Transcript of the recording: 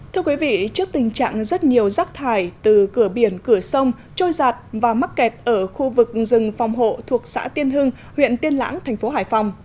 thưa quý vị trước tình trạng rất nhiều rác thải từ cửa biển cửa sông trôi giạt và mắc kẹt ở khu vực rừng phòng hộ thuộc xã tiên hưng huyện tiên lãng thành phố hải phòng